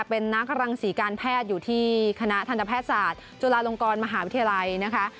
เป็นนักรังศรีการแพทย์อยู่ที่คณะทันตแพทย์ศาสตร์จุฬาลงกรมหาวิทยาลัยนะคะ